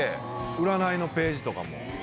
占いのページとかも。